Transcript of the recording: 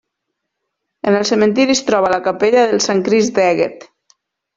En el cementiri es troba la capella del Sant Crist d'Èguet.